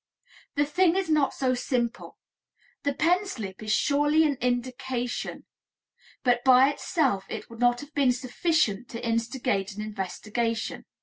The thing is not so simple. The pen slip is surely an indication, but by itself it would not have been sufficient to instigate an investigation.